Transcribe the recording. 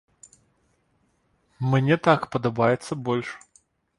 Мне так падабаецца больш.